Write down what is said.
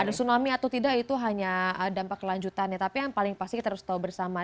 ada tsunami atau tidak itu hanya dampak kelanjutannya tapi yang paling pasti kita harus tahu bersama